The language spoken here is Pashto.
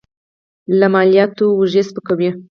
له مالیاتو اوږې سپکوي.